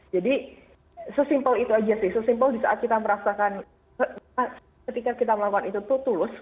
jadi sesimpel itu saja sih sesimpel di saat kita merasakan ketika kita melakukan itu tulus